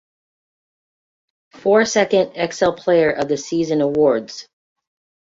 Four second xl player of the season awards.